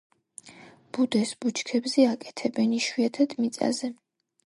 ბუდეს ბუჩქებზე აკეთებენ, იშვიათად მიწაზე.